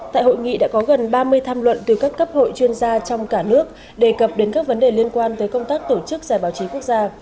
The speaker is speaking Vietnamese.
tại hội nghị đã có gần ba mươi tham luận từ các cấp hội chuyên gia trong cả nước đề cập đến các vấn đề liên quan tới công tác tổ chức giải báo chí quốc gia